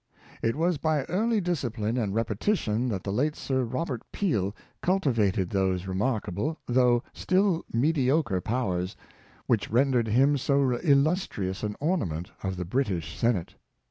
It was by early discipline and repetition that the late Sir Robert Peel cultivated those remarkable, though still mediocre powers, which rendered him so illustrious an ornament of the British Senate.